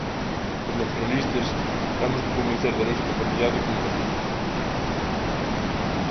Os nacionalistas temos que convencer da nosa capacidade como nación.